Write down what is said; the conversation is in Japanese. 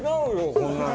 こんなの。